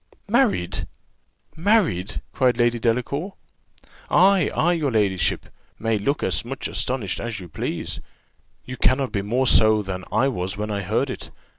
"Married! married!" cried Lady Delacour. "Ay, ay, your ladyship may look as much astonished as you please, you cannot be more so than I was when I heard it.